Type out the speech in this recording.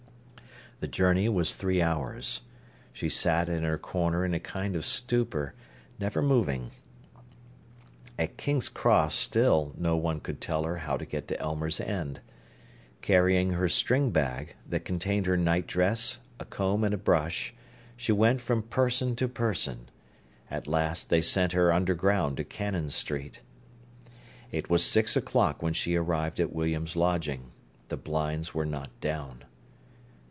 The journey was three hours. She sat in her corner in a kind of stupor, never moving. At King's Cross still no one could tell her how to get to Elmers End. Carrying her string bag, that contained her nightdress, a comb and brush, she went from person to person. At last they sent her underground to Cannon Street. It was six o'clock when she arrived at William's lodging. The blinds were not down.